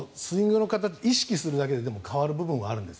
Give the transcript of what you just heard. スイングの形は意識するだけで変わる部分もあるんです。